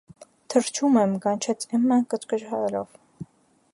- Թռչում եմ,- կանչեց Էմման կչկչալով: